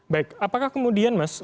baik apakah kemudian mas